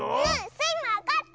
スイもわかった！